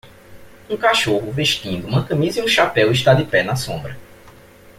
Um cachorro vestindo uma camisa e um chapéu está de pé na sombra.